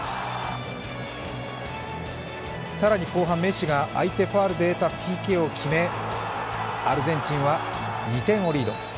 更に後半、メッシが相手ファウルで得たＰＫを決めアルゼンチンは２点をリード。